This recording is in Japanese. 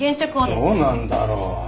どうなんだろう